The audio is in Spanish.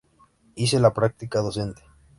Hice la práctica docente.